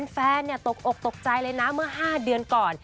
ตกอกตกใจเลยนะเมื่อ๕เดือนก่อน